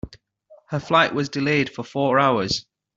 Her flight was delayed for four hours.